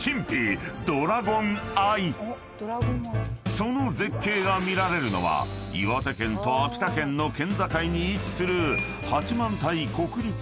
［その絶景が見られるのは岩手県と秋田県の県境に位置する］